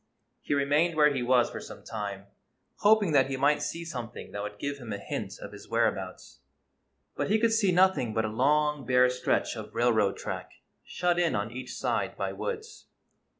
He remained where he was for some time, hoping that he might see something that would give him a hint of his whereabouts. But he could see nothing but a long, bare stretch of railroad track, shut in on each side by woods.